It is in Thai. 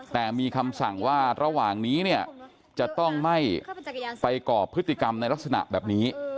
แต่มีคำสั่งว่าระหว่างนี้เนี่ยจะต้องไม่ไปก่อพฤติกรรมในลักษณะแบบนี้